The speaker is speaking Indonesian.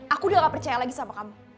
aku udah gak percaya lagi sama kamu